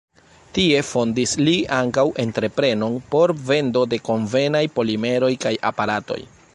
Tie fondis li ankaŭ entreprenon por vendo de konvenaj polimeroj kaj aparatoj.